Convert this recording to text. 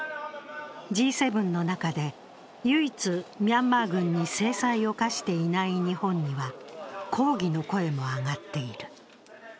Ｇ７の中で唯一、ミャンマー軍に制裁を科していない日本には抗議の声も上がっている。